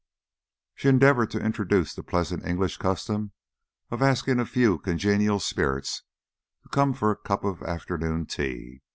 She endeavoured to introduce the pleasant English custom of asking a few congenial spirits to come for a cup of afternoon tea.